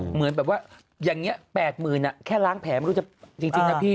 เหมือนแบบว่าอย่างเนี้ย๘๐๐๐๐น่ะแค่ล้างแผลมันรู้จักจริงจริงนะพี่